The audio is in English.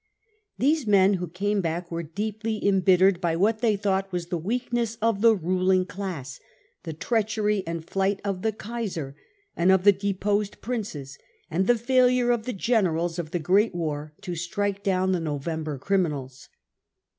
These men who came back were deeply embittered by what they thought was the weakness of the ruling class, the treachery and flight of the Kaiser and of the deposed princes, and the failure of the generals of the Great War to strike* down the 44 November criminals.